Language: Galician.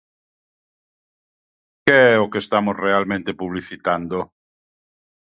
¿Que é o que estamos realmente publicitando?